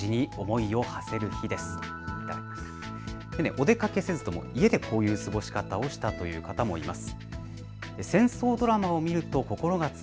お出かけせずとも家でこういう過ごし方をしたという方もいます。